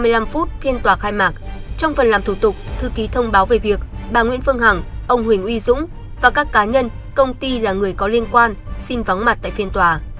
tám giờ ba mươi năm phút phiên tòa khai mạc trong phần làm thủ tục thư ký thông báo về việc bà nguyễn phương hằng ông huỳnh uy dũng và các cá nhân công ty là người có liên quan xin vắng mặt tại phiên tòa